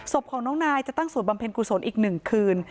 ศพของน้องนายจะตั้งสวดบำเพ็ญกุศลอีก๑คืน